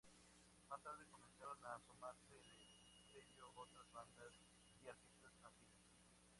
Más tarde comenzaron a sumarse al sello otras bandas y artistas afines.